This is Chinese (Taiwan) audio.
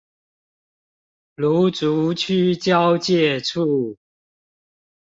蘆竹區交界處